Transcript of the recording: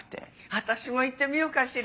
私も行ってみようかしら。